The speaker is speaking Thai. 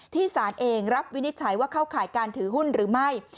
สารเองรับวินิจฉัยว่าเข้าข่ายการถือหุ้นหรือไม่